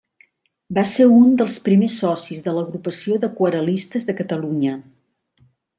Va ser un dels primers socis de l'Agrupació d'Aquarel·listes de Catalunya.